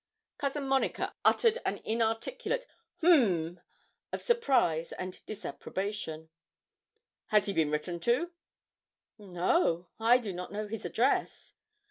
Cousin Monica uttered an inarticulate 'H'm!' of surprise or disapprobation. 'Has he been written to?' 'No, I do not know his address.'